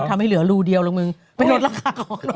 ทำให้เหลือรูเดียวลงมึงไม่ลดราคาก่อน